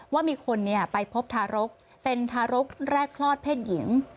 ว่ามีคนไปพบทารกเป็นทารกแรกคลอดเพศหญิง